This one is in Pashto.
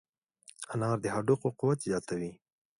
انار د هډوکو قوت زیاتوي.